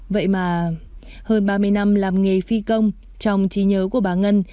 vậy mà hơn ba mươi năm làm nghề phi công trong trí nhớ của bà ngân